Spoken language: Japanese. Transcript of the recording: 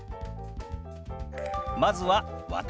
まずは「私」。